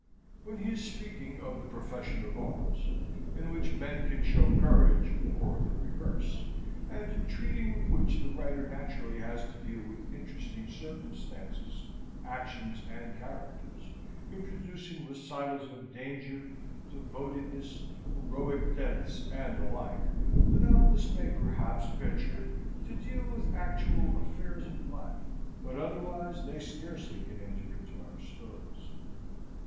When he is speaking of the profession of arms, in which men can show courage or the reverse, and in treating of which the writer naturally has to deal with interesting circumstances, actions, and characters, introducing recitals of danger, devotedness, heroic deaths, and the like, the novelist may perhaps venture to deal with actual affairs of life: but otherwise, they scarcely can enter into our stories.